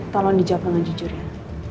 tolong dijawab dengan jujur ya